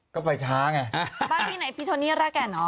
ก็ไปช้าไงบ้านที่ไหนพี่โทนี่รักแก่เนอ